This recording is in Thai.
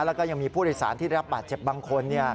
แล้วก็ยังมีผู้โดยสารที่ได้รับบาดเจ็บบางคน